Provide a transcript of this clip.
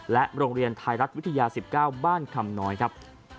โรงเรียนไทยรัฐวิทยา๑๙บ้านคำน้อยครับ